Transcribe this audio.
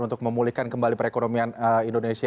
untuk memulihkan kembali perekonomian indonesia